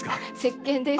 せっけんです。